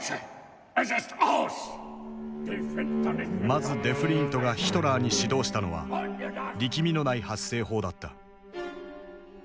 まずデフリーントがヒトラーに指導したのは力みのない発声法だった。